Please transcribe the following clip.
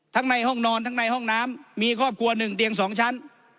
ในห้องนอนทั้งในห้องน้ำมีครอบครัว๑เตียง๒ชั้น